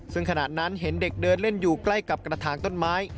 ซึ่งขณะนั้นเห็นเด็กเดินเล่นอยู่ใกล้กับกระถางต้นไม้